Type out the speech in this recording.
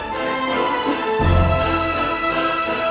mama terakhir exor ming